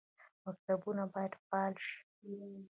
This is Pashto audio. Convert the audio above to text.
مکتبونه باید فعال شي